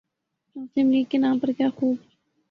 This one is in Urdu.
مسلم لیگ کے نام پر کیا خوب